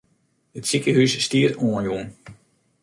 It sikehús stiet oanjûn.